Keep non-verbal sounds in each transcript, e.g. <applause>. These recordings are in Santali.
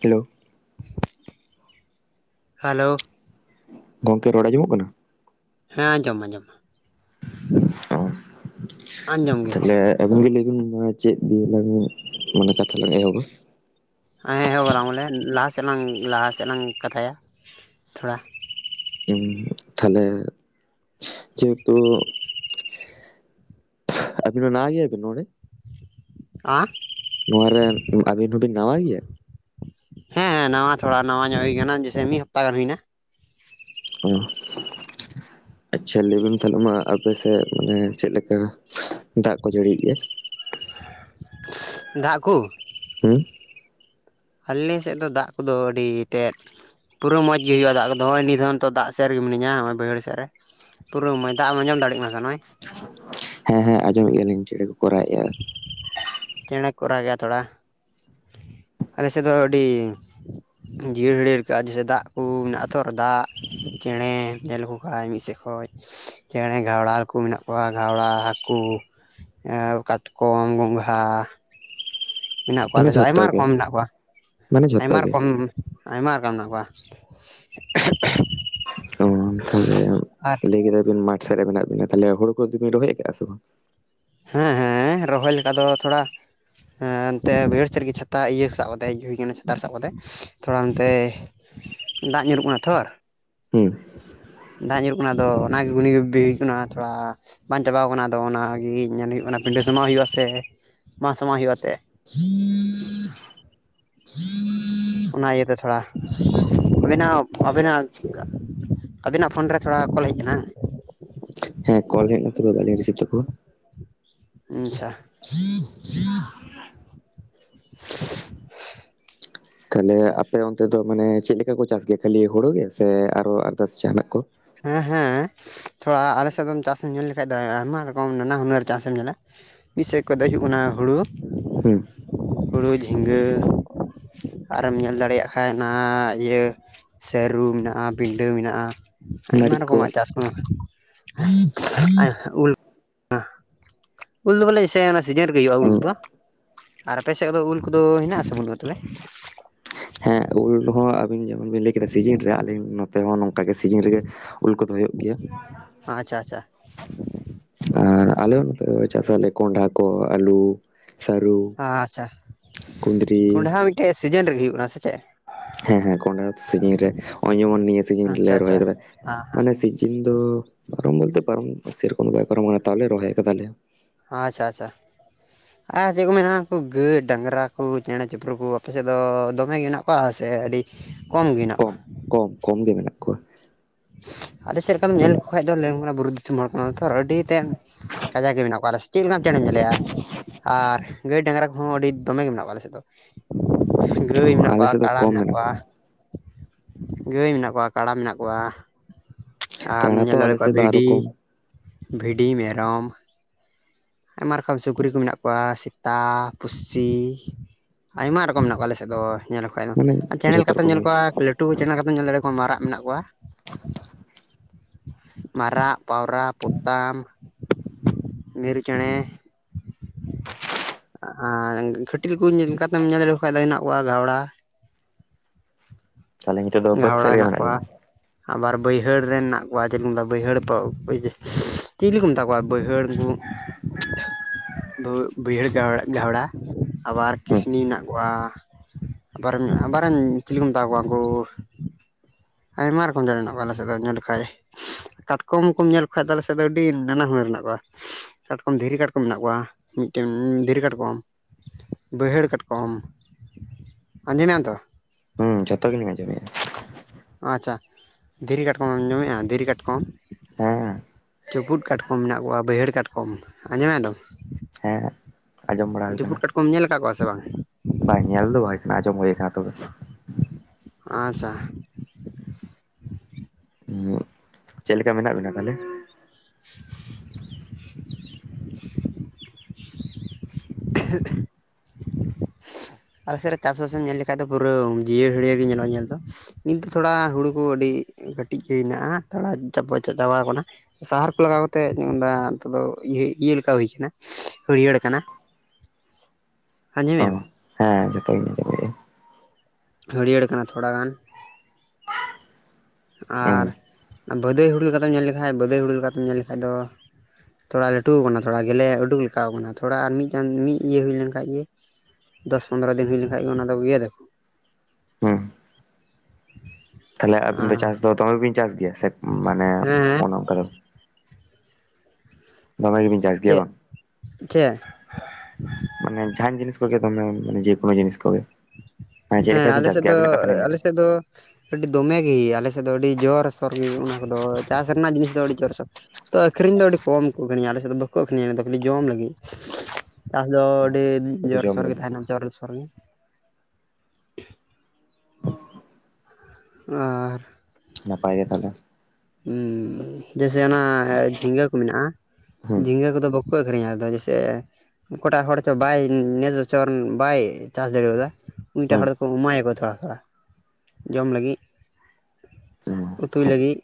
ᱦᱮᱞᱳ ᱾ ᱦᱮᱞᱳ ᱾ ᱜᱚᱝᱠᱮ ᱨᱚᱲ ᱟᱡᱚᱢᱚᱜ ᱠᱟᱱᱟ? ᱦᱮᱸ ᱟᱡᱚᱢ ᱟᱡᱚᱢ ᱼᱼ <inaudible> ᱟᱡᱚᱢ ᱜᱮ ᱾ ᱟᱹᱵᱤᱱ ᱜᱮ ᱞᱟᱹᱭᱵᱤᱱ ᱢᱟ ᱪᱮᱫ ᱫᱤᱭᱮ ᱞᱟᱝ ᱢᱟᱱᱮ ᱠᱟᱛᱷᱟ ᱞᱟᱝ ᱮᱦᱚᱵᱟ ᱾ ᱦᱚᱸᱭ ᱮᱦᱚᱵ ᱟᱞᱟᱝ ᱵᱚᱞᱮ ᱞᱟᱦᱟ ᱥᱮᱫ ᱞᱟᱝ ᱞᱟᱦᱟ ᱥᱮᱫ ᱞᱟᱝ ᱠᱟᱛᱷᱟᱭᱟ ᱛᱷᱚᱲᱟ ᱾ ᱩᱸ ᱛᱟᱞᱦᱮ ᱡᱮᱦᱮᱛᱩ ᱼᱼ ᱟᱹᱵᱤᱱ ᱫᱚ ᱱᱟᱣᱟ ᱜᱮᱭᱟ ᱵᱮᱱ ᱱᱚᱰᱮ? ᱦᱟᱸ ᱾ ᱱᱚᱣᱟ ᱨᱮ ᱟᱵᱤᱱ ᱦᱚᱸ ᱵᱤᱱ ᱱᱟᱣᱟ ᱜᱮᱭᱟ? ᱦᱮᱸ ᱱᱟᱣᱟ ᱛᱷᱚᱲᱟ ᱱᱟᱣᱟ ᱧᱚᱜ ᱜᱮ ᱠᱟᱱᱟ ᱡᱮᱥᱮ ᱢᱤᱫ ᱦᱟᱯᱛᱟ ᱜᱟᱱ ᱦᱩᱭᱮᱱᱟ ᱾ ᱚ ᱾ ᱟᱪᱪᱷᱟ ᱞᱟᱹᱭ ᱵᱮᱱ ᱛᱟᱦᱚᱞᱮ ᱢᱟ ᱟᱯᱮ ᱥᱮᱫ ᱢᱟᱱᱮ ᱪᱮᱫᱞᱮᱠᱟ ᱫᱟᱜ ᱠᱚ ᱡᱟᱹᱲᱤᱭᱮᱜᱼᱟ? ᱫᱟᱜ ᱠᱩ? ᱦᱩᱸ ᱾ ᱟᱞᱮ ᱥᱮᱫ ᱫᱚ ᱫᱟᱜ ᱠᱚᱫᱚ ᱟᱹᱰᱤ ᱛᱮᱫ ᱼᱼ ᱯᱩᱨᱟᱹ ᱢᱚᱸᱡᱽ ᱜᱤ ᱦᱩᱭᱩᱜᱼᱟ ᱫᱟᱜ ᱠᱚᱫᱚ ᱱᱤᱫᱷᱚᱱ ᱛᱚ ᱫᱟᱜ ᱥᱮᱫ ᱨᱮ ᱜᱤ ᱢᱤᱱᱟᱹᱧᱟ ᱱᱚᱜᱼᱚᱭ ᱵᱟᱹᱭᱦᱟᱹᱲ ᱥᱮᱫ ᱨᱮ ᱾ ᱯᱩᱨᱟᱹ <unintelligible> ᱫᱟᱜ ᱮᱢ ᱟᱡᱚᱢ ᱫᱟᱲᱮᱜ ᱠᱟᱱᱟ ᱥᱮ ᱱᱚᱜᱼᱚᱭ? ᱦᱮᱸ ᱦᱮᱸ ᱟᱸᱡᱚᱢᱮᱫ ᱜᱮᱭᱟᱞᱤᱧ ᱪᱮᱬᱮ ᱠᱚᱠᱚ ᱨᱟᱜᱮᱫᱼᱟ ᱾ ᱪᱮᱬᱮ ᱠᱚ ᱠᱚ ᱨᱟᱜ ᱜᱮᱭᱟ ᱛᱷᱚᱲᱟ ᱟᱞᱮ ᱥᱮᱫ ᱫᱚ ᱟᱹᱰᱤ ᱼᱼ ᱡᱤᱭᱟᱹᱲ ᱦᱟᱹᱲᱭᱟᱹᱲ ᱠᱟᱜᱼᱟ ᱡᱮᱭᱥᱮ ᱫᱟᱜ ᱠᱚ ᱢᱮᱱᱟᱜ ᱟᱛᱚ ᱟᱨ ᱫᱟᱜ ᱪᱮᱬᱮ ᱧᱮᱞ ᱞᱮᱠᱚ ᱠᱷᱟᱡ ᱢᱤᱫ ᱥᱮᱫ ᱠᱷᱚᱡ ᱼᱼ ᱪᱮᱬᱮ ᱜᱷᱟᱣᱲᱟ ᱠᱩ ᱢᱮᱱᱟᱜ ᱠᱚᱣᱟ ᱜᱷᱟᱣᱲᱟ ᱦᱟᱹᱠᱩ ᱾ ᱮᱸ ᱠᱟᱴᱠᱚᱢ ᱜᱚᱝᱜᱷᱟ ᱾ ᱢᱮᱱᱟᱜ ᱠᱚᱣᱟ ᱢᱟᱱᱮ ᱟᱞᱮ ᱥᱮᱫ ᱡᱷᱚᱛᱚ ᱟᱭᱢᱟ ᱜᱮ ᱨᱚᱠᱚᱢ ᱢᱮᱱᱟᱜ ᱠᱚᱣᱟ ᱢᱟᱱᱮ ᱡᱷᱚᱛᱚ ᱟᱭᱢᱟ ᱜᱮ ᱨᱚᱠᱚᱢ ᱾ ᱟᱭᱢᱟ ᱨᱚᱠᱚᱢ ᱢᱮᱱᱟᱜ ᱠᱚᱣᱟ ᱾ ᱚ ᱛᱟᱦᱞᱮ ᱞᱟᱹᱭ ᱠᱮᱫᱟᱵᱤᱱ ᱢᱟᱴᱷ ᱥᱮᱫ ᱨᱮ ᱢᱮᱱᱟᱜ ᱵᱤᱱᱟ ᱛᱟᱦᱞᱮ ᱦᱩᱲᱩ ᱠᱚᱫᱚ ᱵᱤᱱ ᱨᱚᱦᱚᱭ ᱟᱠᱟᱜᱼᱟ ᱥᱮ ᱵᱟᱝ? ᱦᱮᱸ ᱦᱮᱸ ᱨᱚᱦᱚᱭ ᱞᱮᱠᱟ ᱫᱚ ᱛᱷᱚᱲᱟ ᱼᱼ ᱦᱮᱸ ᱮᱱᱛᱮ ᱵᱟᱹᱭᱦᱟᱹᱲ ᱥᱮᱫ ᱨᱮ ᱜᱤ ᱪᱷᱟᱛᱟ ᱤᱭᱟᱹ ᱥᱟᱵ ᱠᱟᱛᱮ ᱦᱮᱡ ᱦᱩᱭ ᱠᱟᱱᱟ ᱪᱷᱟᱛᱟ ᱥᱟᱵ ᱠᱟᱛᱮᱫ ᱛᱷᱚᱲᱟ ᱱᱚᱱᱛᱮ ᱼᱼ ᱫᱟᱜ ᱧᱩᱨᱩᱜ ᱠᱟᱱᱟ ᱛᱷᱚᱨ ᱾ ᱦᱩᱸ ᱾ ᱫᱟᱜ ᱧᱩᱨᱩᱜ ᱠᱟᱱᱟ ᱟᱫᱚ ᱚᱱᱟ ᱜᱮ ᱜᱩᱱᱤ ᱵᱷᱟᱹᱵᱤ ᱦᱩᱭᱩᱜ ᱠᱟᱱᱟ ᱛᱷᱚᱲᱟ ᱼᱼ ᱵᱟᱝ ᱪᱟᱵᱟᱣ ᱠᱟᱱᱟ ᱟᱫᱚ ᱚᱱᱟ ᱜᱤ ᱢᱮᱱ ᱦᱩᱭᱩᱜ ᱠᱟᱱᱟ ᱯᱤᱸᱰᱟᱹ ᱥᱟᱢᱟᱜ ᱦᱩᱭᱩᱜᱼᱟ ᱥᱮ ᱵᱟᱝ ᱥᱟᱢᱟᱜ ᱦᱩᱭᱩᱜᱼᱟ ᱛᱮ ᱼᱼ <inaudible> ᱚᱱᱟ ᱤᱭᱟᱹᱛᱮ ᱛᱷᱚᱲᱟ ᱾ ᱟᱹᱵᱤᱱᱟᱜ ᱟᱹᱵᱤᱱᱟᱜ ᱟᱹᱵᱤᱱᱟᱜ ᱯᱷᱳᱱ ᱨᱮ ᱛᱷᱚᱲᱟ ᱠᱚᱞ ᱦᱮᱡ ᱠᱟᱱᱟ ᱾ ᱦᱮᱸ ᱠᱚᱞ ᱦᱮᱡ ᱮᱱᱟ ᱛᱚᱵᱮ ᱵᱟᱞᱤᱧ ᱨᱤᱥᱤᱵᱷ ᱛᱟᱠᱚᱣᱟ ᱾ ᱟᱪᱪᱷᱟ ᱾ <inaudible> ᱛᱟᱦᱞᱮ ᱟᱯᱮ ᱚᱱᱛᱮ ᱫᱚ ᱢᱟᱱᱮ ᱪᱮᱫ ᱞᱮᱠᱟ ᱠᱚ ᱪᱟᱥ ᱜᱮᱭᱟ ᱠᱷᱟᱞᱤ ᱦᱩᱲᱩ ᱥᱮ ᱟᱨ ᱟᱨᱫᱟᱥ ᱡᱟᱦᱱᱟᱜ ᱠᱚ ᱦᱮᱸ ᱦᱮᱸ ᱛᱷᱚᱲᱟ ᱟᱞᱮᱥᱮᱫ ᱫᱚᱢ ᱪᱟᱥᱢ ᱧᱮᱞ ᱞᱮᱠᱷᱷᱟᱡ ᱫᱚ ᱟᱭᱢᱟ ᱨᱚᱠᱚᱢ ᱱᱟᱱᱟ ᱦᱩᱱᱟᱹᱨ ᱪᱟᱥᱮᱢ ᱧᱮᱞᱟ ᱢᱤᱫ ᱥᱮᱫ ᱠᱚᱫᱚ ᱦᱩᱭᱩᱜ ᱠᱟᱱᱟ ᱦᱩᱲᱳ ᱦᱩᱸ ᱦᱳᱲᱳ ᱡᱷᱤᱸᱜᱟᱹ ᱟᱨᱮᱢ ᱧᱮᱞ ᱫᱟᱲᱮᱭᱟᱜ ᱠᱷᱟᱡ ᱚᱱᱟ ᱤᱭᱟᱹ ᱥᱟᱹᱨᱩ ᱢᱮᱱᱟᱜᱼᱟ ᱵᱤᱰᱟᱹ ᱢᱮᱱᱟᱜᱼᱟ ᱟᱭᱢᱟ ᱢᱟᱹᱨᱤᱪ ᱠᱚ ᱨᱚᱠᱚᱢᱟᱜ ᱪᱟᱥ ᱠᱟᱱᱟ ᱩᱞ ᱩᱞ ᱫᱚ ᱵᱚᱞᱮ ᱥᱮᱸ ᱚᱱᱟ ᱥᱤᱡᱤᱱ ᱨᱮᱜᱮ ᱦᱩᱭᱩᱜᱼᱟ ᱩᱞ ᱦᱩᱸ ᱫᱚ ᱟᱨ ᱟᱯᱮ ᱥᱮᱫᱚ ᱩᱞ ᱠᱚᱫᱚ ᱦᱮᱱᱟᱜᱼᱟ ᱥᱮ ᱵᱟᱹᱱᱩᱜᱼᱟ ᱛᱟᱦᱚᱞᱮ ᱦᱮᱸ ᱩᱞ ᱦᱚᱸ ᱟᱵᱤᱱ ᱡᱮᱢᱚᱱ ᱵᱤᱱ ᱞᱟᱹᱭ ᱠᱮᱫᱟ ᱥᱤᱡᱤᱱ ᱨᱮ ᱟᱹᱞᱤᱧ ᱱᱚᱛᱮ ᱦᱚᱸ ᱱᱚᱝᱠᱟ ᱜᱮ ᱥᱤᱡᱤᱱ ᱨᱮᱜᱮ ᱩᱞ ᱠᱚᱫᱚ ᱦᱩᱭᱩᱜ ᱜᱮᱭᱟ ᱟᱪᱪᱷᱟ ᱟᱪᱪᱷᱟ ᱟᱨ ᱟᱞᱮ ᱦᱚᱸ ᱱᱚᱛᱮ ᱫᱚ ᱪᱟᱥᱞᱮ ᱠᱚᱸᱰᱷᱟ ᱠᱚ ᱟᱹᱞᱩ ᱥᱟᱹᱨᱩ ᱠᱩᱸᱫᱽᱨᱤ ᱮ ᱥᱤᱡᱤᱱ ᱨᱮᱜ ᱦᱩᱭᱩᱜ ᱠᱟᱱᱟ ᱥᱮ ᱪᱮᱫ ᱦᱮᱸ ᱦᱮᱸ ᱠᱚᱸᱰᱟ ᱫᱚ ᱥᱤᱡᱤᱱ ᱨᱮ ᱱᱚᱜᱼᱚᱭ ᱡᱮᱢᱚᱱ ᱱᱤᱭᱟᱹ ᱥᱤᱡᱤᱱ ᱨᱮᱞᱮ ᱟᱪᱪᱷᱟ ᱟᱪᱪᱷᱟ ᱨᱚᱦᱚᱭ ᱠᱟᱫᱟ ᱦᱮᱸ ᱦᱮᱸ ᱢᱟᱱᱮ ᱥᱤᱡᱤᱱ ᱫᱚ ᱯᱟᱨᱚᱢ ᱵᱚᱞᱛᱮ ᱯᱟᱨᱚᱢ ᱥᱮᱨᱚᱠᱚᱢ ᱵᱟᱭ ᱯᱟᱨᱚᱢ ᱠᱟᱱᱟ ᱛᱟᱦᱞᱮ ᱨᱚᱦᱚᱭ ᱠᱟᱫᱟᱞᱮ ᱟᱪᱪᱷᱟ ᱟᱪᱪᱷᱟ <inaudible> ᱟᱨ ᱪᱮᱫ ᱠᱚ ᱢᱮᱱᱟ ᱩᱱᱠᱚ ᱜᱟᱹᱭᱼ ᱰᱟᱝᱨᱟ ᱠᱚ ᱪᱮᱬᱮ ᱪᱤᱯᱨᱩ ᱠᱚ ᱟᱯᱮᱥᱮᱫ ᱫᱚᱢᱮ ᱜᱮ ᱢᱮᱱᱟᱜ ᱠᱚᱣᱟ ᱥᱮ ᱟᱹᱰᱤ ᱠᱚᱢ ᱜᱮ ᱢᱮᱱᱟᱜ ᱠᱚᱣᱟ ᱠᱚᱢ ᱠᱚᱢ ᱜᱮ ᱢᱮᱱᱟᱜ ᱠᱚᱣᱟ ᱟᱞᱮ ᱥᱮᱫ ᱞᱮᱠᱟᱢ ᱧᱮᱞ ᱞᱮᱠᱚ ᱠᱷᱟᱱ ᱫᱚ ᱞᱟᱹᱭᱟᱢ ᱠᱟᱱᱟ ᱵᱩᱨᱩ ᱫᱤᱥᱚᱢ ᱦᱚᱲ ᱠᱟᱱᱟ ᱛᱚ ᱟᱹᱰᱤᱛᱮᱫ, ᱠᱟᱡᱟᱠ ᱜᱤ ᱢᱮᱱᱟᱜ ᱠᱚᱣᱟ ᱪᱮᱫ ᱞᱮᱠᱟᱢ ᱪᱮᱬᱮᱢ ᱧᱮᱞᱮᱭᱟ? ᱟᱨ ᱜᱟᱹᱭ ᱰᱟᱝᱨᱟ ᱠᱚᱦᱚᱸ ᱟᱹᱰᱤ ᱫᱚᱢᱮ ᱜᱮ ᱢᱮᱱᱟᱜ ᱠᱚᱣᱟ ᱟᱞᱮ ᱥᱮᱫ ᱫᱚ ᱚ ᱜᱟᱹᱭ ᱢᱮᱱᱟᱜ ᱟᱞᱮ ᱥᱮᱫ ᱠᱚᱣᱟ ᱫᱚ ᱠᱟᱲᱟ ᱠᱚᱢ ᱢᱮᱱᱟᱜ ᱠᱚᱣᱟ, ᱜᱟᱹᱭ ᱢᱮᱱᱟᱜ ᱠᱚᱣᱟ ᱠᱟᱲᱟ ᱢᱮᱱᱟᱜ ᱠᱚᱣᱟ ᱟᱨ ᱠᱟᱬᱟ ᱛᱚ ᱧᱮᱞ ᱫᱟᱲᱮ ᱟᱞᱮ ᱠᱚᱣᱟ ᱥᱮᱫ ᱫᱚ ᱟᱨᱚ ᱵᱷᱤᱰᱤ ᱠᱚᱢ ᱵᱷᱤᱰᱤ ᱢᱮᱨᱚᱢ ᱟᱭᱢᱟ ᱨᱚᱠᱚᱢ ᱥᱩᱠᱨᱤ ᱠᱚ ᱢᱮᱱᱟᱜ ᱠᱚᱣᱟ ᱥᱮᱛᱟ ᱯᱩᱥᱤᱥᱤ ᱟᱭᱢᱟ ᱨᱚᱠᱚᱢ ᱢᱮᱱᱟᱜ ᱠᱚᱣᱟ ᱟᱞᱮ ᱥᱮᱫ ᱫᱚ ᱧᱮᱞ ᱠᱷᱟᱱ ᱫᱚ ᱢᱟᱱᱮ ᱪᱮᱬᱮ ᱞᱮᱠᱟ ᱡᱷᱚᱛᱚ ᱠᱟᱛᱮᱢ ᱧᱮᱞ ᱨᱚᱠᱚᱢ ᱜᱮ ᱠᱚᱣᱟ ᱞᱟᱹ ᱴᱩ ᱪᱮᱱᱟ ᱠᱟᱛᱮᱢ ᱧᱮᱞ ᱫᱟᱲᱮ ᱠᱚᱣᱟ ᱢᱟᱨᱟᱜ ᱢᱮᱱᱟᱜ ᱠᱚᱣᱟ ᱢᱟᱨᱟᱜ ᱯᱟᱣᱨᱟ ᱯᱚᱛᱟᱢ ᱢᱤᱨᱩ ᱪᱮᱬᱮ ᱦᱩᱸ ᱟᱨ ᱠᱷᱟᱹᱴᱤᱞ ᱠᱟᱛᱮᱢ ᱧᱮᱞ ᱞᱮᱠᱚ ᱠᱷᱟᱱ ᱫᱚ ᱦᱮᱱᱟᱜ ᱠᱚᱣᱟ ᱜᱷᱟᱣᱲᱟ ᱛᱟᱦᱚᱞᱮ ᱱᱤᱛᱚᱜ ᱫᱚ ᱵᱟᱹᱫᱽ ᱜᱷᱟᱣᱲᱟ ᱥᱮᱫ ᱨᱮᱜᱮ ᱦᱮᱱᱟᱜ ᱢᱮᱱᱟᱜ ᱠᱚᱣᱟ ᱵᱤᱱᱟ ᱟᱵᱟᱨ ᱵᱟᱹᱭᱦᱟᱹᱲ ᱨᱮᱱ ᱢᱮᱱᱟᱜ ᱠᱚᱣᱟ ᱡᱮ ᱢᱮᱛᱟ ᱵᱟᱹᱭᱦᱟᱹᱲ ᱯᱟ ᱟ ᱪᱤᱞᱤ ᱠᱚ ᱢᱮᱛᱟ ᱠᱚᱣᱟ ᱵᱟᱹᱭᱦᱟᱹᱲ ᱠᱚ ᱵᱟᱹᱭᱦᱟᱹᱲ ᱜᱷᱟᱣᱲᱟ ᱟᱵᱟᱨ ᱦᱩᱸ ᱠᱤᱥᱱᱤ ᱦᱮᱱᱟᱜ ᱠᱚᱣᱟ ᱟᱵᱟᱨ ᱟᱵᱟᱨᱮᱱ ᱪᱤᱞᱤ ᱠᱚ ᱢᱮᱛᱟᱣ ᱠᱚᱣᱟ ᱩᱱᱠᱩ ᱟᱭᱢᱟ ᱨᱚᱠᱚᱢ <inaudible> ᱦᱮᱱᱟᱜ ᱠᱚᱣᱟ ᱟᱞᱮ ᱥᱮᱫ ᱫᱚ ᱧᱮᱞ ᱞᱮᱠᱚᱠᱷᱟᱡ ᱠᱟᱴᱠᱚᱢ ᱠᱚᱢ ᱧᱮᱞ ᱞᱮᱠᱚ ᱠᱷᱟᱱ ᱟᱞᱮ ᱥᱮᱫ ᱫᱚ ᱟᱹᱰᱤ ᱱᱟᱱᱟᱩᱱᱟᱹᱨ ᱢᱮᱱᱟᱜ ᱠᱚᱣᱟ ᱠᱟᱴᱠᱚᱢ ᱫᱷᱤᱨᱤ ᱠᱟᱴᱠᱚᱢ ᱢᱮᱱᱟᱜ ᱠᱚᱣᱟ ᱢᱤᱫᱴᱮᱱ ᱫᱷᱤᱨᱤ ᱠᱟᱴᱠᱚᱢ ᱵᱟᱹᱭᱦᱟᱹᱲ ᱠᱟᱴᱠᱚᱢ ᱟᱸᱡᱚᱢᱮᱭᱟᱢ ᱛᱚ ᱦᱩᱸ ᱡᱷᱚᱛᱚ ᱜᱮᱞᱤᱧ ᱟᱸᱡᱚᱢᱮ ᱟ ᱟᱪᱪᱷᱟ ᱫᱷᱤᱨᱤ ᱠᱟᱴᱠᱚᱢᱮᱢ ᱡᱚᱢᱮᱭᱟ ᱫᱷᱤᱨᱤ ᱠᱟᱴᱠᱚᱢ, ᱦᱮᱸ ᱪᱩᱯᱩᱫ ᱠᱟᱴᱠᱚᱢ ᱢᱮᱱᱟᱜ ᱠᱚᱣᱟ ᱵᱟᱹᱭᱦᱟᱹᱲ ᱠᱟᱴᱠᱚᱢ ᱟᱸᱡᱚᱢᱮᱫᱟᱢ ᱦᱮᱸ ᱟᱸᱡᱚᱢ ᱵᱟᱲᱟ ᱦᱩᱭ ᱠᱟᱱᱟ, ᱠᱩᱢ ᱧᱮᱞ ᱟᱠᱟᱫ ᱠᱚᱣᱟ ᱥᱮ ᱵᱟᱝ? ᱵᱟᱝ ᱧᱮᱞ ᱫᱚ ᱵᱟᱝ ᱟᱸᱡᱚᱢ ᱦᱩᱭᱩ ᱟᱠᱟᱱᱟ ᱛᱚᱵᱮ ᱟᱪᱪᱷᱟ <inaudible> ᱪᱮᱫ ᱞᱮᱠᱟ ᱢᱮᱱᱟᱜ ᱵᱤᱱᱟ ᱛᱟᱦᱚᱞᱮ? <unintelligible> <unintelligible> ᱟᱞᱮᱥᱮᱫ ᱨᱮ ᱪᱟᱥᱵᱟᱥ ᱮᱢ ᱧᱮᱞ ᱞᱮᱠᱷᱟᱡ ᱫᱚ ᱯᱩᱨᱟᱹ ᱡᱤᱭᱟᱹᱲᱦᱟᱲᱭᱟᱹᱲ ᱜᱮ ᱧᱮᱞᱚᱜ-ᱟ ᱧᱮᱞ ᱫᱚ, ᱱᱤᱛ ᱛᱷᱩᱲᱟ ᱦᱩᱲᱩ ᱠᱩ ᱟᱹᱰᱤ ᱠᱟᱹᱴᱤᱡ ᱜᱮ ᱦᱮᱱᱟᱜ-ᱟ ᱛᱷᱚᱲᱟ ᱫᱟᱵᱟᱣ ᱟᱠᱟᱱᱟ᱾ ᱥᱟᱦᱟᱨ ᱠᱚ ᱞᱟᱜᱟᱣ ᱠᱟᱛᱮᱫ ᱚᱱᱟᱱᱤᱛᱚᱜ ᱫᱚ ᱤᱭᱟᱹ ᱤᱭᱟᱹ ᱞᱮᱠᱟ ᱦᱩᱭ ᱟᱠᱟᱱᱟ ᱦᱟᱹᱲᱭᱟᱹᱲ ᱠᱟᱱᱟ᱾ ᱚ ᱟᱸᱡᱚᱢᱮ ᱟᱢ? ᱦᱮᱸ ᱡᱷᱚᱛᱚᱧ ᱟᱸᱡᱚᱢᱮᱜ-ᱟ᱾ ᱦᱟᱹᱨᱭᱟᱹᱲ ᱠᱟᱱᱟ ᱛᱷᱚᱲᱟ ᱜᱟᱱ ᱦᱩᱸ ᱟᱨ ᱵᱟᱹᱫᱟᱹᱭ ᱦᱩᱲᱩ ᱞᱮᱠᱟᱛᱮᱢ ᱧᱮᱞ ᱞᱮᱠᱷᱟᱡ ᱵᱟᱹᱫᱟᱹᱭ ᱦᱩᱲᱩ ᱞᱮᱠᱟᱛᱮᱢ ᱧᱮᱞ ᱞᱮᱠᱷᱟᱡ ᱫᱚ ᱛᱷᱚᱲᱟ ᱞᱟᱹᱴᱩ ᱟᱠᱟᱱᱟ ᱛᱷᱚᱲᱟ ᱜᱮᱞᱮ ᱩᱰᱩᱠ ᱞᱮᱠᱟ ᱠᱟᱱᱟ ᱛᱷᱚᱲᱟ ᱟᱨ ᱢᱤᱫ ᱢᱤᱫ ᱤᱭᱟᱹ ᱦᱩᱭ ᱞᱮᱱᱠᱟᱱ ᱜᱮ ᱫᱚᱥ ᱯᱚᱸᱫᱽᱨᱚ ᱫᱤᱱ ᱦᱩᱭ ᱞᱮᱠᱷᱟᱡ ᱜᱮ ᱚᱱᱟ ᱫᱚ ᱜᱮᱫᱟᱠᱚ᱾ ᱦᱩᱸ ᱛᱟᱦᱚᱞᱮ ᱟᱵᱤᱱ ᱫᱚ ᱪᱟᱥ ᱫᱚ ᱫᱚᱢᱮ ᱵᱤᱱ ᱪᱟᱥ ᱜᱮᱭᱟ ᱥᱮ ᱢᱟᱱᱮ ᱦᱮᱸ ᱚᱱᱮ ᱚᱱᱠᱟ ᱫᱚ ᱫᱚᱢᱮ ᱜᱮᱵᱤᱱ ᱪᱟᱥ ᱜᱮᱭᱟ ᱪᱮᱫ ᱵᱟᱝ? ᱪᱮᱫ ᱢᱟᱱᱮ ᱡᱟᱦᱟᱸᱱ ᱡᱤᱱᱤᱥ ᱠᱚᱜᱮ ᱫᱚᱢᱮ ᱢᱟᱱᱮ ᱡᱮᱠᱳᱱᱳ ᱡᱤᱱᱤᱥ ᱠᱚᱜᱮ᱾ ᱢᱟᱱᱮ ᱪᱮᱫ ᱦᱮᱸ ᱞᱮᱠᱟ ᱵᱤᱱ ᱟᱞᱮ ᱪᱟᱥ ᱥᱮᱫ ᱜᱮᱭᱟ ᱫᱚ, ᱟᱵᱤᱱᱟᱜ ᱠᱟᱛᱷᱟ ᱞᱤᱧ ᱞᱟᱹᱭᱫᱟ ᱟᱞᱮ ᱥᱮᱫ ᱫᱚ ᱟᱹᱰᱤ ᱫᱚᱢᱮ ᱜᱮ ᱟᱞᱮ ᱥᱮᱫ ᱫᱚ ᱟᱹᱰᱤ ᱡᱚᱨᱥᱚᱨ ᱜᱮ ᱚᱱᱟ ᱠᱚᱫᱚ ᱪᱟᱥ ᱨᱮᱱᱟᱜ ᱡᱤᱱᱤᱥ ᱫᱚ ᱟᱹᱰᱤ ᱡᱚᱨᱥᱚᱨ, ᱛᱚ ᱟᱹᱠᱠᱷᱨᱤᱧ ᱫᱚ ᱟᱹᱰᱤ ᱠᱚᱢ ᱠᱚ ᱟᱹᱠᱠᱷᱨᱤᱧᱟ ᱟᱞᱮᱥᱮᱫ ᱫᱚ ᱵᱟᱠᱚ ᱟᱹᱠᱠᱷᱨᱤᱧᱟ ᱚᱱᱟᱫᱚ ᱠᱷᱟᱹᱞᱤ ᱡᱚᱢ ᱞᱟᱹᱜᱤᱫ᱾ ᱪᱟᱥ ᱫᱚ ᱟᱹᱰᱤ ᱥᱩᱫᱷᱩ ᱡᱚᱢ ᱡᱚᱨᱥᱚᱨ ᱜᱮ ᱞᱟᱹᱜᱤᱫ ᱛᱟᱦᱮᱱᱟ ᱡᱚᱨᱥᱚᱨ ᱜᱮ᱾ ᱟᱨᱻ ᱱᱟᱯᱟᱭ ᱜᱮ ᱛᱟᱦᱚᱞᱮ᱾ ᱦᱩᱸ ᱡᱮᱭᱥᱮ ᱚᱱᱟ ᱡᱷᱤᱸᱜᱟᱹ ᱠᱚ ᱢᱮᱱᱟᱜᱼᱟ᱾ ᱦᱩᱸ ᱡᱷᱤᱸᱜᱟᱹ ᱠᱚᱫᱚ ᱵᱟᱹ ᱠᱚ ᱟᱹᱠᱷᱨᱤᱧᱟ ᱟᱫᱚ ᱡᱮᱭᱥᱮ ᱚᱠᱟᱴᱟᱜ ᱦᱚᱲ ᱪᱚ ᱵᱟᱭ ᱱᱮᱥ ᱵᱚᱪᱚᱨ ᱵᱟᱭ ᱪᱟᱥ ᱫᱟᱲᱮᱣᱟᱫᱟ᱾ ᱩᱱᱤᱴᱟᱜ ᱦᱩᱸ ᱦᱚᱲ ᱫᱚᱠᱚ ᱮᱢᱟᱭᱟᱠᱚ ᱛᱷᱚ ᱦᱟᱥᱟ ᱡᱚᱢ ᱞᱟᱹᱜᱤᱫ᱾ ᱩᱛᱩᱭ ᱞᱟᱹᱜᱤᱫ,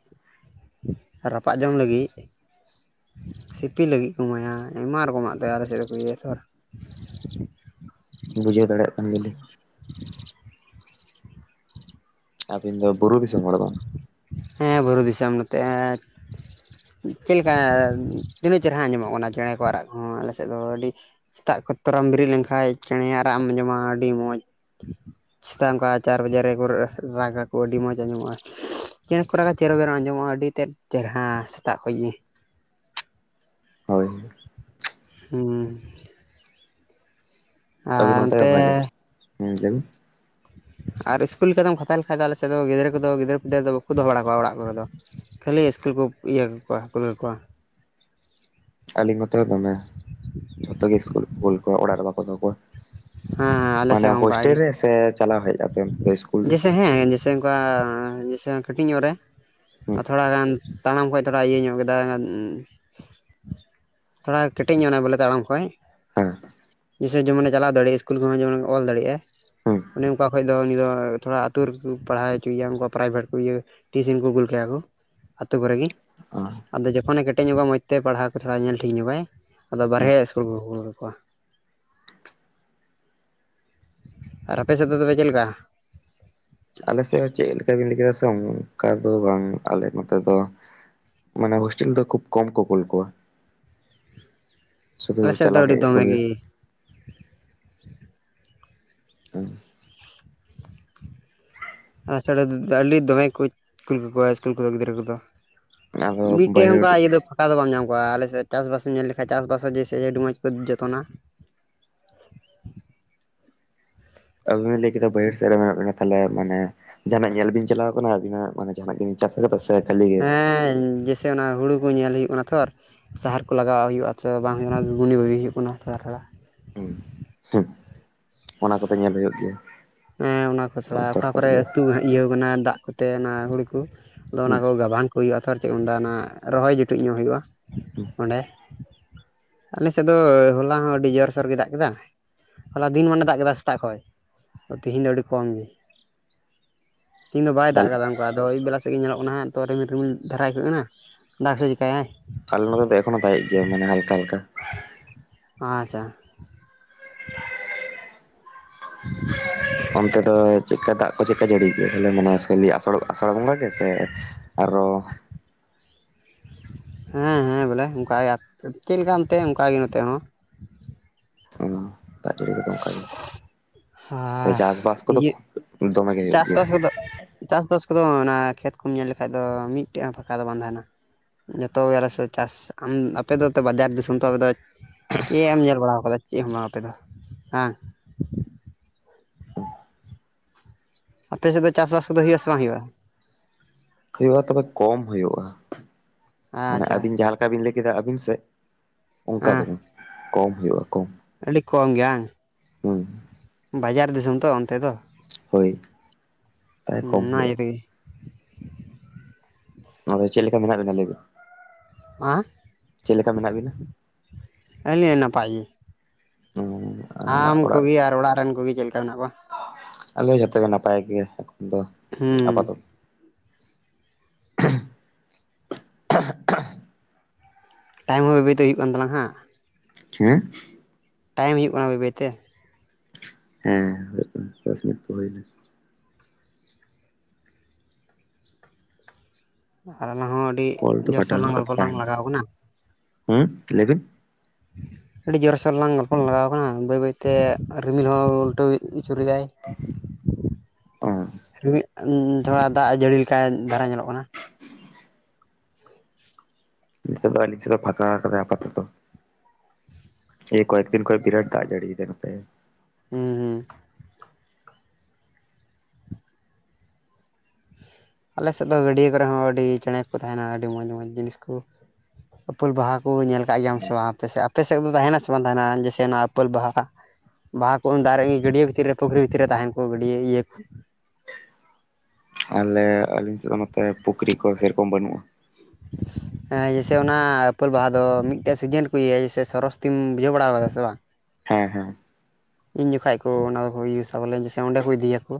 ᱨᱟᱯᱟᱜ ᱡᱚᱝ ᱞᱟᱹᱜᱤᱫ, ᱥᱤᱯᱤ ᱞᱟᱹᱜᱤᱫ ᱠᱚ ᱮᱢᱟᱭᱟ ᱟᱭᱢᱟ ᱨᱚᱠᱚᱢᱟᱜ ᱛᱮ ᱟᱞᱮ ᱥᱮᱫ ᱨᱮᱠᱚ ᱤᱭᱟᱹᱭᱟ ᱛᱚ᱾ ᱵᱩᱡᱷᱟᱹᱣ ᱫᱟᱲᱮᱭᱟᱜ ᱠᱟᱱ ᱜᱮᱞᱤᱧ᱾ ᱟᱵᱤᱱ ᱫᱚ ᱵᱩᱨᱩ ᱫ ᱫᱤᱥᱚᱢ ᱦᱚᱲ ᱵᱟᱝ? ᱦᱮᱸ ᱵᱩᱨᱩ ᱫᱤᱥᱚᱢ ᱱᱚᱛᱮ, ᱪᱮᱫ ᱞᱮᱠᱟ ᱛᱤᱱᱟᱹᱜ ᱪᱮᱨᱦᱟ ᱟᱸᱡᱚᱢᱚᱜ ᱠᱟᱱᱟ ᱪᱮᱬᱮ ᱠᱚ ᱨᱟᱜ ᱠᱚᱦᱚᱸ ᱟᱞᱮ ᱥᱮᱫ ᱫᱚ ᱟᱹᱰᱤ ᱥᱮᱛᱟᱜ ᱠᱚ ᱛᱚᱨᱟᱢ ᱵᱮᱨᱮᱫ ᱞᱮᱱᱠᱟᱱ ᱪᱮᱬᱮᱭᱟᱜ ᱨᱟᱜ ᱮᱢ ᱟᱸᱡᱚᱢᱟ ᱟᱹᱰᱤ ᱢᱚᱸᱡᱽ᱾ ᱥᱮᱛᱟᱜ ᱚᱱᱠᱟ ᱪᱟᱨ ᱵᱟᱡᱮ ᱨᱮᱠᱚ ᱨᱟᱜ ᱟᱠᱚ ᱟᱹᱰᱤ ᱢᱚᱡᱽ᱾ ᱟᱸᱡᱚᱢᱚᱜᱼᱟ᱾ ᱪᱮᱬᱮ ᱠᱚᱨᱮ ᱪᱮᱨᱚ ᱵᱮᱨ ᱟᱸᱡᱚᱢᱚᱜᱼᱟ, ᱟᱹᱰᱤ ᱛᱮᱫ ᱪᱮᱨᱦᱨᱟ ᱥᱮᱛᱟᱜ ᱠᱷᱚᱡ ᱜᱮ᱾ ᱦᱳᱭ ᱦᱩᱸ᱾ ᱟᱵᱤᱱ ᱟᱨ ᱚᱱᱛᱮ ᱜᱮ ᱱᱚᱛᱮ ᱵᱷᱟᱜᱮ᱾ ᱦᱮᱸ ᱞᱟᱹᱭ ᱵᱤᱱ ᱟᱨ ᱤᱥᱠᱩᱞ ᱞᱮᱠᱟᱢ ᱠᱷᱛᱷᱟ ᱞᱮᱠᱷᱟᱡ ᱫᱚ ᱟᱞᱮᱥᱮᱫ ᱫᱚ ᱜᱤᱫᱽᱨᱟᱹ ᱠᱚᱫᱚ ᱜᱤᱫᱟᱹᱨ ᱯᱤᱫᱟᱹᱨ ᱫᱚ ᱵᱟᱠᱚ ᱫᱚᱦᱚ ᱵᱟᱲᱟᱣᱟᱲᱟᱜ ᱠᱚᱨᱮ ᱫᱚ᱾ ᱠᱷᱟᱹᱞᱤ ᱤᱥᱠᱩᱞ ᱠᱚ ᱤᱭᱟᱹ ᱠᱟᱠᱚᱣᱟ ᱠᱩᱞ ᱠᱟᱠᱚᱣᱟ᱾ ᱟᱹᱞᱤᱧ ᱱᱚᱛᱚ ᱦᱚᱸ ᱫᱚᱢᱮ ᱡᱷᱚᱛᱚ ᱜᱮ ᱤᱥᱠᱩᱞ ᱠᱚ ᱠᱩᱞ ᱠᱚᱣᱟ ᱚᱲᱟᱜ ᱨᱮ ᱵᱟᱠᱚ ᱫᱚᱦᱚ ᱠᱚᱣᱟ᱾ ᱦᱮᱸ ᱦᱮᱸ ᱟᱞᱮ ᱢᱟᱱᱮ ᱥᱮᱫ ᱦᱚᱸ ᱚᱱᱠᱟ ᱦᱳᱥᱴᱮᱞ ᱜᱮ ᱨᱮ ᱥᱮ ᱪᱟᱞᱟᱣ ᱦᱮᱡᱼᱟᱛᱮ ᱤᱥᱠᱩᱞ ᱫᱚ? ᱡᱮᱭᱥᱮ ᱦᱮᱸ ᱥᱮ ᱚᱱᱠᱟ ᱡᱮ ᱠᱟᱹᱴᱤᱡ ᱧᱚᱜ ᱨᱮ ᱦᱩᱸ ᱟᱨ ᱛᱷᱚᱲᱟᱜᱟᱱ ᱛᱟᱲᱟᱢ ᱠᱷᱚᱡ ᱛᱷᱚᱲᱟ ᱤᱭᱟᱹ ᱧᱚᱜ ᱠᱮᱫᱟ᱾ ᱛᱷᱚᱲᱟ ᱠᱮᱴᱮᱡ ᱧᱚᱜᱱᱟ ᱵᱚᱞᱮ ᱛᱟᱲᱟᱢ ᱠᱷᱚᱡ ᱦᱮᱸ ᱡᱮᱭᱥᱮ ᱡᱮᱢᱚᱱ ᱫᱟᱲᱮᱜ ᱤᱥᱠᱩᱞ ᱠᱚᱦᱚᱸ ᱡᱮᱢᱚᱱ ᱚᱞ ᱫᱟᱲᱮᱭᱟᱜᱼᱟ᱾ ᱦᱩᱸ ᱚᱱᱮ ᱚᱱᱠᱟ ᱠᱷᱚᱱ ᱫᱚ ᱩᱱᱤ ᱫᱚ ᱛᱷᱚᱲᱟ ᱟᱹᱛᱩ ᱨᱮᱠᱚ ᱯᱟᱲᱦᱟᱣ ᱚᱪᱚᱭᱮᱭᱟ ᱩᱱᱠᱩ ᱯᱨᱟᱭᱵᱷᱮᱴ ᱠᱚ ᱤᱭᱟᱹ ᱴᱤᱭᱩᱥᱤᱱ ᱠᱚ ᱠᱩᱞ ᱠᱟᱭᱟ ᱠᱚᱼᱟ, ᱟᱹᱛᱩ ᱠᱚᱨᱮ ᱜᱮ᱾ ᱟᱫᱚ ᱡᱚᱠᱷᱚᱱᱮ ᱠᱮᱴᱮᱡ ᱧᱚᱜᱼᱟ᱾ ᱢᱚᱡᱽ ᱛᱮ ᱯᱟᱲᱦᱟᱣ ᱠᱚ ᱛᱷᱚᱲᱟ ᱧᱮᱞ ᱴᱷᱤᱠ ᱧᱚᱜᱟᱭ ᱟᱫᱚ ᱦᱩᱸ ᱵᱟᱨᱦᱮ ᱤᱥᱠᱩᱞ ᱠᱚᱠᱚ ᱠᱩᱞ ᱠᱟᱠᱚᱣᱟ᱾ ᱟᱨ ᱟᱯᱮ ᱥᱮᱫ ᱫᱚ ᱛᱚᱵᱮ ᱪᱮᱫ ᱞᱮᱠᱟ᱾ ᱟᱞᱮ ᱥᱮᱫ ᱦᱚᱸ ᱪᱮᱫ ᱞᱮᱠᱟ ᱵᱤᱱ ᱞᱟᱹᱭ ᱠᱮᱫᱟ ᱥᱮ ᱚᱱᱠᱟ ᱫᱚ ᱵᱟᱝ ᱟᱞᱮ ᱱᱚᱛᱮ ᱫᱚ᱾ ᱢᱟᱱᱮ ᱦᱳᱥᱴᱮᱞ ᱫᱚ ᱠᱷᱩᱵ ᱠᱚᱢ ᱠᱚ ᱠᱳᱞ ᱠᱚᱣᱟ᱾ ᱥᱩᱫᱷᱩ ᱟᱞᱮ ᱥᱮᱫ ᱫᱚ ᱪᱟᱞᱟᱣ ᱟᱹᱰᱤ ᱠᱷᱟᱱᱡ ᱫᱚᱢᱮ ᱥᱤᱥᱠᱩᱞ ᱜᱮ᱾ ᱦᱮᱸ᱾ ᱟᱪᱷᱟᱲᱟ ᱟᱹᱰᱤ ᱫᱚᱢᱮ ᱠᱩ ᱠᱩᱞ ᱠᱟᱠᱚᱣᱟ ᱥᱠᱩᱞ ᱠᱚᱫᱚ ᱜᱤᱫᱽᱟᱹ ᱠᱚᱫᱚ, ᱟᱫᱚ ᱢᱤᱫᱴᱮᱡ ᱵᱟᱹᱭᱦᱟᱹᱲ ᱚᱝᱠᱟ ᱤᱭᱟᱹ ᱫᱚ ᱯᱷᱟᱸᱠ ᱚᱠᱟ ᱫᱚ ᱵᱟᱢ ᱧᱟᱢ ᱠᱚᱜᱼᱟ, ᱟᱞᱮᱥᱮᱜ ᱪᱟᱥᱵᱟᱥ ᱧᱮᱞ ᱞᱮᱠᱷᱟᱡ ᱪᱟᱥᱵᱟᱥ ᱡᱮᱥᱮ ᱟᱹᱰᱤ ᱢᱚᱸᱡᱽ ᱠᱚ ᱡᱚᱛᱚᱱᱟ᱾ ᱟᱵᱤᱱ ᱵᱤᱱ ᱞᱟᱹᱭ ᱠᱮᱫᱟ ᱵᱟᱹᱭᱦᱟᱹᱲ ᱥᱮᱫ ᱨᱮ ᱢᱮᱱᱟᱜ ᱵᱤᱱᱟ, ᱛᱟᱦᱚᱞᱮ ᱢᱟᱱᱮ ᱡᱟᱦᱟᱱᱟᱜ ᱧᱮᱞ ᱵᱤᱱ ᱪᱟᱞᱟᱣ ᱟᱠᱟᱱᱟ ᱟᱹᱵᱤᱱᱟᱜ ᱢᱟᱱᱮ ᱡᱟᱦᱟᱱᱟᱜ ᱜᱮ ᱪᱟᱥ ᱠᱟᱫᱟ ᱥᱮ ᱠᱷᱟᱹᱞᱤ᱾ ᱜᱮ ᱦᱮᱸ ᱡᱮᱥᱮ ᱚᱱᱟ ᱦᱩᱲᱩ ᱠᱚ ᱧᱮᱞ ᱦᱩᱭᱩᱜ ᱠᱟᱱᱟ ᱛᱷᱚᱨ᱾ ᱥᱟᱦᱟᱨ ᱠᱚ ᱞᱟᱜᱟᱣᱟᱜ ᱦᱳᱭᱳᱜᱼᱟ ᱛᱚ ᱵᱟᱝ ᱦᱩᱭᱩᱜ ᱠᱟᱱᱟ᱾ ᱜᱩᱱᱤ ᱵᱷᱟᱹᱜᱤ ᱦᱩᱭᱩᱜ ᱠᱟᱱᱟ ᱛᱷᱳᱲᱟ ᱛᱷᱳᱲᱟ᱾ ᱦᱩᱸ ᱚᱱᱟ ᱠᱚᱛᱮ ᱧᱮᱞ ᱦᱳᱭᱳᱜ ᱜᱮᱭᱟ᱾ ᱦᱮᱸ ᱚᱱᱟ ᱠᱚ ᱛᱷᱚᱲᱟ ᱚᱠᱟ ᱫᱚᱨᱠᱟᱨ ᱠᱚᱨᱮ ᱜᱮᱭᱟ ᱟᱹᱛᱩ ᱤᱭᱟᱹᱣ ᱠᱟᱱᱟ ᱫᱟᱜ ᱠᱚᱛᱮ ᱚᱱᱟ ᱦᱳᱲᱩ ᱠᱚ᱾ ᱟᱫᱚ ᱚᱱᱟ ᱦᱩᱸ ᱠᱚ ᱜᱟᱵᱟᱱ ᱠᱚ ᱦᱩᱭᱩᱜᱼᱟ, ᱛᱷᱚᱨ ᱪᱮᱫ ᱠᱚ ᱢᱮᱱᱫᱟ ᱚᱱᱟ ᱨᱚᱦᱚᱭ ᱡᱩᱴᱩᱡ ᱧᱚᱜ ᱦᱩᱭᱩᱜᱼᱟ ᱦᱩᱸ ᱚᱸᱰᱮ᱾ ᱟᱞᱮ ᱥᱮᱫ ᱫᱚ ᱦᱚᱞᱟ ᱦᱚᱸ ᱟᱹᱰᱤ ᱡᱳᱨᱥᱳᱨ ᱜᱮ ᱫᱟᱜ ᱠᱮᱫᱟ᱾ ᱦᱚᱞᱟ ᱫᱤᱱ ᱢᱚᱱᱮ ᱫᱟᱜ ᱠᱮᱫᱟ ᱥᱮᱛᱟᱜ ᱠᱷᱚᱡ ᱛᱤᱦᱮᱧ ᱫᱚ ᱟᱹᱰᱤ ᱠᱚᱢ ᱜᱮ᱾ <inaudible> ᱛᱤᱦᱤᱧ ᱫᱚ ᱵᱟᱭ ᱫᱟᱜ ᱵᱷᱟᱞᱮ ᱠᱟᱫᱟ ᱾ ᱵᱟ ᱟᱫᱚ ᱟᱹᱭᱩᱵ ᱵᱮᱞᱟ ᱥᱮᱫ ᱜᱮ ᱧᱮᱞᱚᱜ ᱠᱟᱱᱟ ᱦᱟᱸᱜ ᱛᱚ, ᱨᱤᱢᱤᱞ ᱨᱤᱢᱤᱞ ᱫᱷᱟᱨᱟᱭ ᱠᱚ ᱮᱱᱟ ᱫᱟᱜᱽ ᱥᱮᱫ ᱪᱤᱠᱟᱹᱭᱟᱭ? ᱟᱞᱮ ᱱᱚᱸᱰᱮ ᱫᱚ ᱮᱠᱷᱚᱱᱚ ᱫᱟᱜᱮᱜ ᱜᱮᱭᱟ ᱢᱟᱱᱮ ᱦᱟᱞᱠᱟ ᱦᱟᱞᱠᱟ᱾ ᱟᱪᱪᱷᱟ <inaudible> ᱚᱱᱛᱮ ᱫᱚ ᱪᱤᱜ ᱠᱟ ᱫᱟᱜ ᱠᱚ ᱪᱮᱫᱠᱟ ᱡᱟᱹᱲᱤ ᱟᱞᱮ ᱢᱟ ᱟᱥᱟᱲ ᱟᱥᱟᱲ ᱵᱚᱸᱜᱟ ᱜᱮ ᱥᱮ ᱟᱨᱚ ᱦᱮᱸ ᱦᱮᱸ ᱵᱚᱞᱮ ᱚᱱᱠᱟ ᱪᱮᱫ ᱞᱮᱠᱟ ᱚᱱᱛᱮ ᱚᱱᱠᱟᱜ ᱜᱮ ᱱᱚᱛᱮ ᱦᱚᱸ᱾ ᱚ ᱫᱟᱜ ᱡᱟᱹᱲᱤ ᱠᱚᱫᱚ ᱚᱝᱠᱟᱜᱮ, ᱛᱚᱵᱮ ᱟᱨ ᱪᱟᱥᱵᱟᱥ ᱠᱚᱫᱚ ᱤᱭᱟᱹ ᱠᱷᱩᱵ ᱫᱚᱢᱮ ᱜᱮ ᱦᱩᱭᱩᱜ ᱜᱮᱭᱟ? ᱪᱟᱥᱵᱟᱥ ᱠᱚᱫᱚ ᱪᱟᱥᱵᱟᱥ ᱠᱚᱫᱚ ᱚᱱᱟ ᱠᱷᱮᱛ ᱠᱚᱢ ᱧᱮᱞ ᱞᱮᱠᱷᱟᱱᱡ ᱫᱚ ᱢᱤᱫᱴᱮᱡ ᱦᱚᱸ ᱯᱷᱟᱸᱠᱟ ᱫᱚ ᱵᱟᱝ ᱛᱟᱦᱮᱱᱟ᱾ ᱡᱷᱚᱛᱚ ᱜᱮ ᱟᱞᱮ ᱥᱮᱫ ᱫᱚ ᱪᱟᱥ ᱟᱢ ᱟᱯᱮ ᱛᱚ ᱵᱟᱡᱟᱨ ᱫᱤᱥᱚᱢ ᱛᱚ ᱟᱯᱮ ᱫᱚ ᱪᱮᱜ ᱮᱢ ᱧᱮᱞ ᱵᱟᱲᱟᱣ ᱠᱟᱫᱟ ᱪᱮᱜ ᱦᱚᱸ ᱵᱟᱝ ᱟᱯᱮ ᱫᱚ ᱦᱟ᱾ ᱟᱯᱮ ᱥᱮᱫ ᱫᱚ ᱪᱟᱥᱵᱟᱥ ᱠᱚ ᱫᱚ ᱦᱩᱭᱩᱜᱼᱟ ᱥᱮ ᱵᱟᱝ ᱦᱩᱭᱩᱜᱼᱟ? ᱦᱳᱭᱳᱜᱼᱟ, ᱛᱚᱵᱮ ᱠᱚᱢ ᱦᱳᱭᱳᱜᱼᱟ᱾ ᱢᱟᱱᱮ ᱟᱪᱪᱷᱟ ᱟᱵᱤᱱ ᱡᱟᱦᱟᱸ ᱞᱮᱠ ᱠᱟ ᱵᱤᱱ ᱞᱟᱹᱭ ᱠᱮᱫᱟ ᱟᱹᱵᱤᱱ ᱥᱮᱜ ᱚᱝᱠᱟ ᱫᱚ ᱦᱮᱸ ᱵᱟᱝ, ᱠᱚᱢ ᱦᱳᱭᱳᱜᱼᱟ ᱠᱚᱢ᱾ ᱟᱹᱰᱤ ᱠᱚᱢ ᱜᱮ ᱦᱟᱝ᱾ ᱦᱩᱸ ᱵᱟᱡᱟᱨ ᱫᱤᱥᱚᱢ ᱛᱚ ᱚᱱᱛᱮ ᱫᱚ᱾ ᱦᱳᱭ ᱛᱟᱭ ᱠᱚᱢ ᱚᱱᱟ ᱤᱭᱟᱹ ᱦᱳᱭᱳᱜᱼᱟ᱾ ᱛᱮᱜᱮ ᱟᱫᱚ ᱪᱮᱫ ᱞᱮᱠᱟ ᱢᱮᱱᱟᱜ ᱵᱤᱱᱟ ᱞᱟᱹᱭ ᱵᱤᱱ? ᱪᱮᱫ ᱞᱮᱠᱟ ᱢᱮᱱᱟᱜ ᱵᱤᱱᱟ? ᱮ ᱤᱭᱟᱹ ᱱᱟᱯᱟᱭ ᱜᱮ᱾ ᱚ ᱟᱢ ᱠᱚᱜᱮ ᱟᱨ ᱚᱲᱟᱜ ᱨᱮᱱ ᱠᱚᱜᱮ ᱪᱮᱜ ᱞᱮᱠᱟ ᱢᱮᱱᱟᱜ ᱠᱚᱣᱟ? ᱟᱞᱮ ᱡᱷᱚᱛᱚ ᱜᱮ ᱱᱟᱯᱟᱭ ᱜᱮ, ᱮᱠᱷᱚᱱ ᱫᱚ ᱦᱮᱸ ᱟᱯᱟᱛᱚ <inaudible> ᱴᱟᱭᱤᱢ ᱦᱚᱸᱵᱟᱹᱭ ᱵᱟ. ᱭ ᱛᱮ ᱦᱩᱭᱩᱜ ᱠᱟᱱ ᱛᱞᱟᱝ ᱦᱟᱜ᱾ <unintelligible> ᱴᱟᱭᱤᱢ ᱦᱩᱭᱩᱜ ᱠᱟᱱᱟ ᱵᱟᱹᱭ ᱵᱟᱹᱭ ᱛᱮ᱾ ᱦᱮᱸ ᱦᱳᱭᱳᱜ ᱠᱟᱱᱟ ᱫᱚᱥ ᱢᱤᱱᱤᱴ ᱫᱚ ᱦᱳᱭᱱᱟ᱾ ᱟᱨ ᱟᱞᱟᱝ ᱦᱚᱸ ᱟᱹᱰᱤ ᱠᱚᱞ ᱫᱚ ᱡᱳᱨ ᱠᱟᱴᱟᱣ ᱥᱳᱨ ᱞᱟᱝ ᱨᱮᱱᱟᱜ ᱜᱚᱞᱯᱚ ᱠᱟᱛᱷᱟ ᱞᱟᱝ ᱛᱟᱦᱮᱸ ᱞᱮᱱᱟ ᱞᱟᱜᱟᱣ ᱠᱟᱱᱟ᱾ ᱦᱩᱸ ᱞᱟᱹᱭ ᱵᱤᱱ? ᱟᱹᱰᱤ ᱡᱳᱨᱥᱳᱨ ᱨᱮ ᱞᱟᱝ ᱜᱚᱞᱯᱚ ᱞᱟᱜᱟᱣ ᱟᱠᱟᱱᱟ ᱵᱟᱹᱭ ᱵᱟᱹᱭᱛᱮ ᱨᱤᱢᱤᱞ ᱦᱚᱸ ᱩᱞᱴᱟᱹ ᱪᱷᱩᱨᱤ ᱫᱟᱭ ᱚ ᱨᱤᱢ <unintelligible> ᱛᱷᱚᱲᱟ ᱫᱟᱜ ᱮᱸ ᱡᱟᱹᱲᱤ ᱞᱮᱠᱟ ᱫᱷᱟᱨᱟ ᱧᱮᱞᱚᱜ ᱠᱟᱱᱟ᱾ ᱱᱤᱛᱚᱜ ᱫᱚ ᱟᱹᱞᱤᱧ ᱥᱮᱫ ᱫᱚᱭ ᱯᱷᱟᱠᱟ ᱟᱠᱟᱫᱟ ᱟᱯᱟ ᱛᱚᱛᱚ᱾ ᱮᱭ ᱠᱚᱭᱮᱠ ᱫᱤᱱ ᱠᱷᱚᱱ ᱵᱤᱨᱟᱴ ᱫᱟᱜ ᱡᱟᱹᱲᱤᱭ ᱫᱟᱭ ᱱᱚᱛᱮ ᱾ ᱦᱩᱸ ᱦᱩᱸ ᱟᱞᱮ ᱥᱮᱫ ᱫᱚ ᱜᱟᱹᱰᱭᱟᱹ ᱠᱚᱨᱮ ᱦᱚᱸ ᱟᱹᱰᱤ ᱪᱮᱸᱬᱮ ᱠᱚ ᱛᱟᱦᱮᱱᱟ ᱟᱹᱰᱤ ᱢᱚᱡᱽ ᱢᱚᱡᱽ ᱡᱤᱱᱤᱥ ᱠᱚ᱾ ᱩᱯᱟᱞ ᱵᱟᱦᱟ ᱠᱚ ᱧᱮᱞ ᱠᱟᱜ ᱜᱮᱭᱟᱢ ᱥᱮ ᱵᱟᱝ ᱟᱯᱮᱥ ᱟᱯᱮ ᱥᱮᱫ ᱫᱚ ᱛᱟᱦᱮᱱᱟ ᱥᱮ ᱵᱟᱝ ᱛᱟᱦᱮᱱᱟ ᱡᱮᱥᱮ ᱚᱱᱟ ᱟᱹᱯᱞ ᱵᱟᱦᱟ ᱵᱟᱦᱟ ᱠᱚ ᱫᱟᱨᱮ ᱜᱟᱹᱰᱟᱹ ᱵᱷᱤᱛᱤᱨ ᱨᱮ ᱯᱩᱠᱷᱨᱤ ᱵᱷᱤᱛᱤᱨ ᱨᱮ ᱛᱟᱦᱮᱱ ᱠᱚ ᱜᱟᱹᱰᱟ, ᱭᱟᱹ ᱤᱭᱟᱹ ᱠᱚ ᱟᱞᱮ ᱟᱹᱞᱤᱧ ᱥᱮᱫ ᱫᱚ ᱱᱚᱛᱮ ᱯᱩᱠᱷᱨᱤ ᱠᱚ ᱥᱮᱨᱚᱠᱚᱢ ᱵᱟᱹᱱᱩᱜᱼᱟ <inaudible> ᱦᱮᱸ ᱡᱮᱭᱥᱮ ᱚᱱᱟ ᱟᱹᱯᱞ ᱵᱟᱦᱟ ᱫᱚ ᱢᱤᱫᱴᱮᱱ ᱥᱤᱡᱤᱱ ᱨᱮᱠᱚ ᱤᱭᱟᱹᱭᱟ ᱡᱮᱭᱥᱮ ᱥᱚᱨᱚᱥᱚᱛᱤᱢ ᱵᱩᱡᱷᱟᱹᱣ ᱵᱟᱲᱟ ᱠᱟᱫᱟ ᱥᱮ ᱵᱟᱝ ᱦᱮᱸ ᱦᱮᱸ ᱤᱧ ᱡᱚᱠᱷᱚᱱ ᱠᱚ ᱚᱱᱟᱠᱚ ᱤᱭᱩᱟ ᱵᱚᱞᱮ ᱥᱮ ᱚᱸᱰᱮ ᱠᱚ ᱤᱫᱤᱭᱟᱠᱚ